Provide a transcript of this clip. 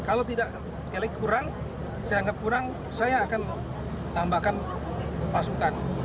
kalau tidak kurang saya akan tambahkan pasukan